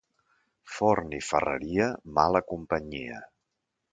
Forn i ferreria, mala companyia.